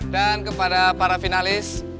dan kepada para finalis